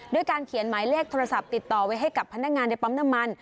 ด้วยการเขียนหมายเลขโทรศัพท์ติดต่อไว้ให้กับพนักงานในปั๊มน้ำมัน